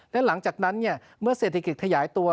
และหลังจากนั้นเมื่อเศรษฐกิจขยายตัว